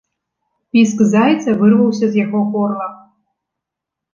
Піск зайца вырваўся з яго горла.